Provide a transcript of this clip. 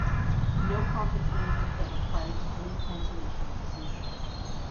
No conference games were played prior to the early cancellation of the season.